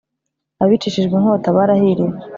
Abicishijwe inkota barahiriwe